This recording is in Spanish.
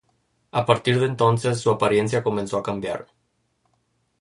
A partir de entonces, su apariencia comenzó a cambiar.